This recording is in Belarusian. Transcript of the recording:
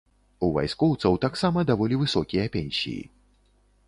У вайскоўцаў таксама даволі высокія пенсіі.